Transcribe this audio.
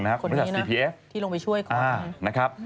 คนที่ลงไปช่วย